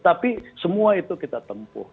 tapi semua itu kita tempuh